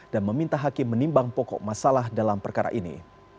dan meminta hakim menimbang pokok masalah dalam perkara ini